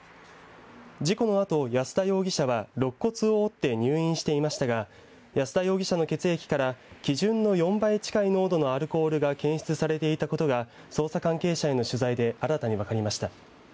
事故のあと安田容疑者はろっ骨を折って入院していましたが安田容疑者の血液から基準の４倍近い濃度のアルコールが検出されていたことが捜査関係者への取材で新たに分かりました。